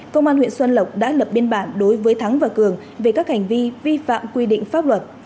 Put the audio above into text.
công an huyện xuân lộc đã lập biên bản đối với thắng và cường về các hành vi vi phạm quy định pháp luật